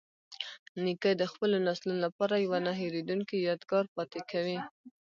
نیکه د خپلو نسلونو لپاره یوه نه هیریدونکې یادګار پاتې کوي.